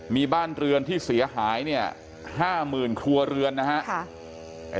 มีบ้านเรือนที่เสียหาย๕หมื่นครัวเรือนนะฮะ